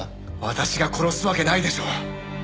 私が殺すわけないでしょう。